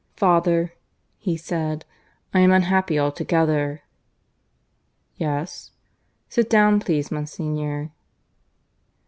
"Father," he said, "I am unhappy altogether." "Yes? (Sit down, please, Monsignor.)"